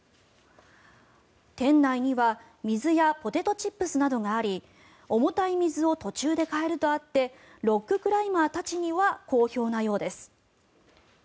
店内には水やポテトチップスなどがあり重たい水を途中で買えるとあってロッククライマーたちには好評なようです。